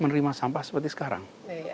menerima sampah seperti sekarang